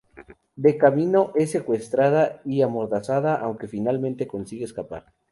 De camino, es secuestrada y amordazada, aunque finalmente consigue escapar.